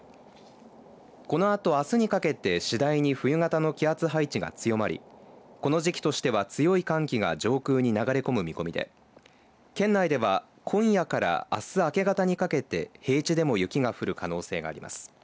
このあと、あすにかけて次第に冬型の気圧配置が強まりこの時期としては強い寒気が上空に流れ込む見込みで県内では今夜からあす明け方にかけて平地でも雪が降る可能性があります。